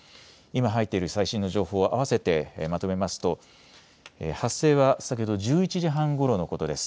今、入っている最新の情報を合わせてまとめますと発生は先ほど１１時半ごろのことです。